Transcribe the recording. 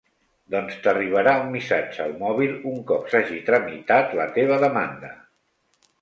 Doncs t'arribarà un missatge al mòbil un cop s'hagi tramitat la teva demanda.